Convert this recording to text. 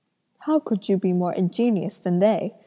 'How could you be more ingenious than they?'